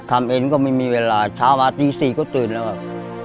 ทำเองก็ไม่มีเวลาเช้ามาตี๔ก็ตื่นแล้วครับ